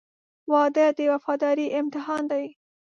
• واده د وفادارۍ امتحان دی.